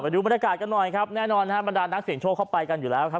ดูบรรยากาศกันหน่อยครับแน่นอนฮะบรรดานักเสียงโชคเข้าไปกันอยู่แล้วครับ